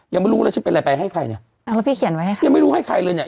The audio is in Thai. ยังไม่รู้เลยฉันเป็นอะไรไปให้ใครเนี่ยอ่าแล้วพี่เขียนไว้ให้ใครยังไม่รู้ให้ใครเลยเนี้ย